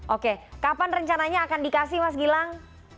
oke kapan rencananya akan dikasih mas gilang